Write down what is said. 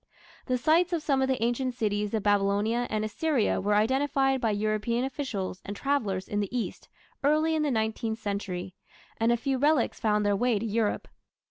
The sites of some of the ancient cities of Babylonia and Assyria were identified by European officials and travellers in the East early in the nineteenth century, and a few relics found their way to Europe.